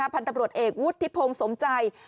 พันธบรวจเอกวุฒิพงศ์สมใจ